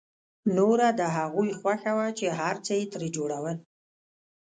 نوره د هغوی خوښه وه چې هر څه یې ترې جوړول